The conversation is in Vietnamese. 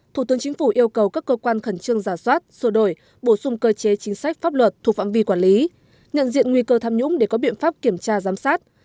thủ tướng chính phủ yêu cầu các cơ quan khẩn trương giả soát sửa đổi bổ sung cơ chế chính sách pháp luật thuộc phạm vi quản lý nhận diện nguy cơ tham nhũng để có biện pháp kiểm tra giám sát